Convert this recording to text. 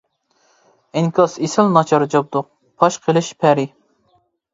ئىنكاس ئېسىل ناچار جابدۇق پاش قىلىش پەرى.